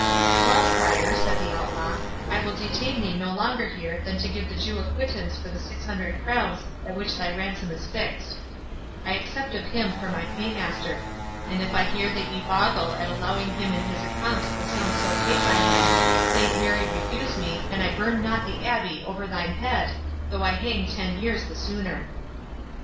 "Well, Prior," said the Outlaw, "I will detain thee no longer here than to give the Jew a quittance for the six hundred crowns at which thy ransom is fixed—I accept of him for my pay master; and if I hear that ye boggle at allowing him in his accompts the sum so paid by him, Saint Mary refuse me, an I burn not the abbey over thine head, though I hang ten years the sooner!"